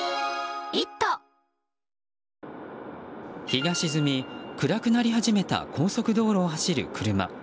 日が沈み、暗くなり始めた高速道路を走る車。